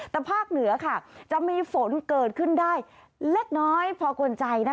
แต่ภาคเหนือค่ะจะมีฝนเกิดขึ้นได้เล็กน้อยพอกวนใจนะคะ